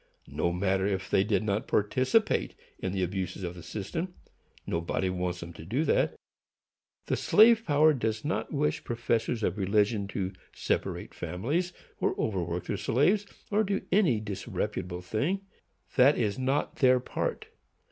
No matter if they did not participate in the abuses of the system; nobody wants them to do that. The slave power does not wish professors of religion to separate families, or over work their slaves, or do any disreputable thing,—that is not their part.